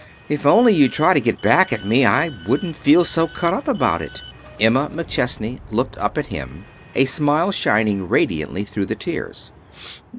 "If only you'd try to get back at me I wouldn't feel so cut up about it." Emma McChesney looked up at him, a smile shining radiantly through the tears.